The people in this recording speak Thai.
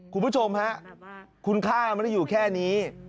คุณผู้ชมฮะคุณค่าไม่ได้อยู่แค่นี้